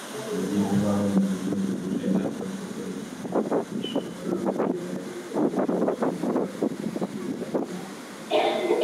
ujye ubaho mu buryo buhuje na cyo kuko igihe gishobora kugera ibyo wakundaga uyu munsi ukabyanga